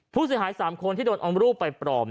ผู้เสียหาย๓คนที่โดนเอารูปไปปลอม